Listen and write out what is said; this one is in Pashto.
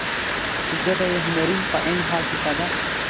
چې ژبه يې هنري په عين حال کې ساده ،